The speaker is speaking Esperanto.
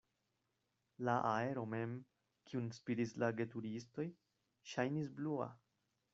La aero mem, kiun spiris la geturistoj, ŝajnis blua.